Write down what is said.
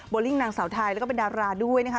ลิ่งนางสาวไทยแล้วก็เป็นดาราด้วยนะคะ